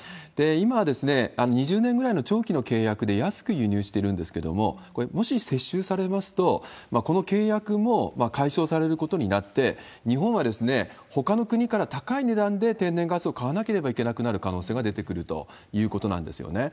今、２０年ぐらいの長期の契約で安く輸入してるんですけれども、これ、もし接収されますと、この契約も解消されることになって、日本はほかの国から高い値段で天然ガスを買わなければならなくなる可能性が出てくるということなんですよね。